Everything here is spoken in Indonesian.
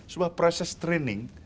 sebuah proses training